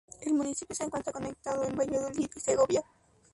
El municipio se encuentra conectado con Valladolid y Segovia.